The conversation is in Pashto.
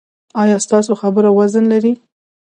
ایا ستاسو خبره وزن لري؟